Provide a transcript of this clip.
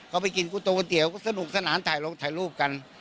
เขาไปกินก๋วตก๋วก็สนุกสนานถ่ายลงถ่ายรูปกัน